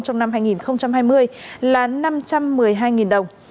trong năm hai nghìn hai mươi là năm trăm một mươi hai đồng